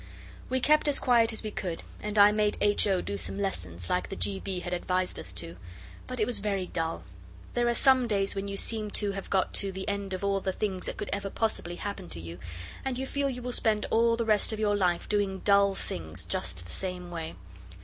We kept as quiet as we could, and I made H. O. do some lessons, like the G. B. had advised us to. But it was very dull. There are some days when you seem to have got to the end of all the things that could ever possibly happen to you, and you feel you will spend all the rest of your life doing dull things just the same way.